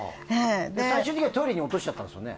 最終的にはトイレに落としちゃったんですよね。